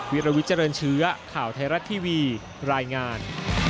วิรวิทเจริญเชื้อข่าวไทยรัฐทีวีรายงาน